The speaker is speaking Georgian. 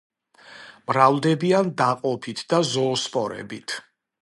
მრავლდებიან დაყოფით და ზოოსპორებით.